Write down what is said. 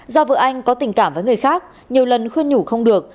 do vợ anh có tình cảm với người khác nhiều lần khuyên nhủ không được